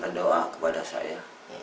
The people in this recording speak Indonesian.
minta doa kepada saya